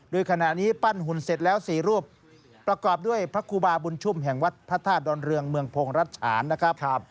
โดยขณะนี้ปั้นหุ่นเสร็จแล้ว๔รูปประกอบด้วยพระครูบาบุญชุ่มแห่งวัดพระธาตุดอนเรืองเมืองพงศ์รัชฉานนะครับ